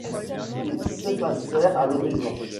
Ils s’effacèrent à l’horizon.